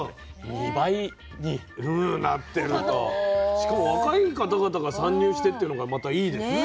しかも若い方々が参入してっていうのがまたいいですね。